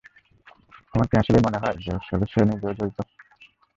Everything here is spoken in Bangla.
তোমার কি আসলেই মনে হয় যে এসবে ও নিজেও জড়িত?